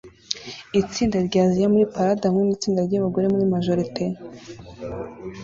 Itsinda rya Aziya muri parade hamwe nitsinda ryabagore majorette